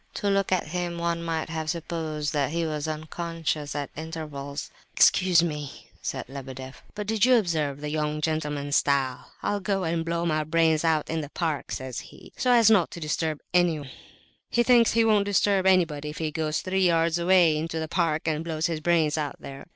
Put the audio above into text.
To look at him one might have supposed that he was unconscious at intervals. "Excuse me," said Lebedeff, "but did you observe the young gentleman's style? 'I'll go and blow my brains out in the park,' says he, 'so as not to disturb anyone.' He thinks he won't disturb anybody if he goes three yards away, into the park, and blows his brains out there."